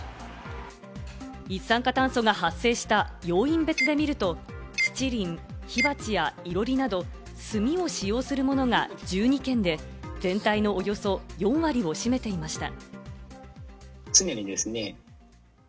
一酸化炭素が発生した要因別で見ると、七輪、火鉢や囲炉裏など、炭を使用するものが１２件で、全体のおよそ４割を占めていました。